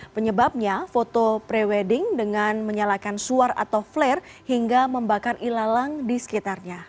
penyebabnya foto pre wedding dengan menyalakan suar atau flare hingga membakar ilalang di sekitarnya